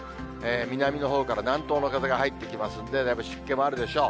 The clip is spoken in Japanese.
南のほうから南東の風が入ってきますんで、だいぶ湿気もあるでしょう。